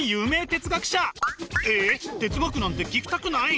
哲学なんて聞きたくない？